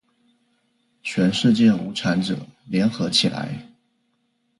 全世界无产者，联合起来！